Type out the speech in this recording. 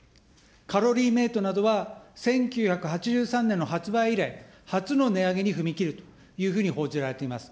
カロリーメイトなどは１９８３年の発売以来、初の値上げに踏み切るというふうに報じられています。